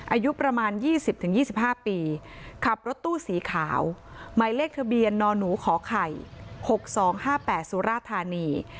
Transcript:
อายุประมาณ๒๐๒๕ปีขับรถตู้สีขาวหมายเลขทะเบียนนหนูขอไข่๖๒๕๘สุราธานี